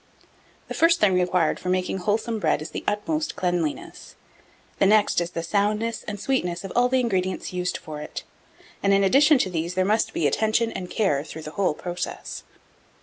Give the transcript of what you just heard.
The first thing required for making wholesome bread is the utmost cleanliness; the next is the soundness and sweetness of all the ingredients used for it; and, in addition to these, there must be attention and care through the whole process.